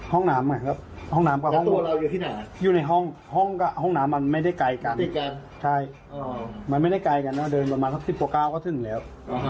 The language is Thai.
ก็ไม่ได้ไกลกันแล้วเดินประมาณสัก๑๐ประกาศก็ถึงแล้ว